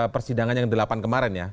persidangan yang delapan kemarin ya